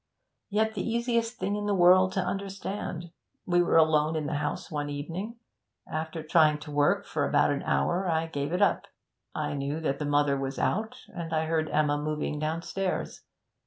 'Yet the easiest thing in the world to understand. We were alone in the house one evening. After trying to work for about an hour I gave it up. I knew that the mother was out, and I heard Emma moving downstairs.